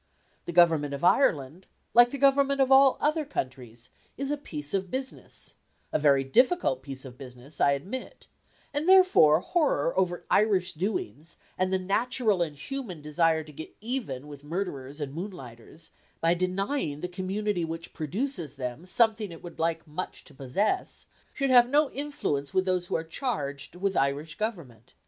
The government of Ireland, like the government of all other countries, is a piece of business a very difficult piece of business, I admit and therefore horror over Irish doings, and the natural and human desire to "get even with" murderers and moonlighters, by denying the community which produces them something it would like much to possess, should have no influence with those who are charged with Irish government.